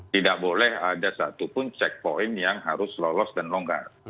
tidak boleh ada satupun checkpoint yang harus lolos dan longgar